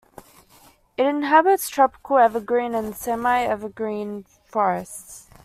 It inhabits tropical evergreen and semi-evergreen forests.